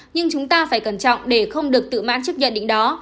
nhưng chúng ta phải cẩn trọng để không được tự mãn trước nhận định đó